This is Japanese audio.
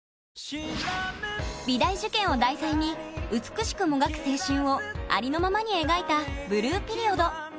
美大受験を題材に美しくもがく青春をありのままに描いた「ブルーピリオド」。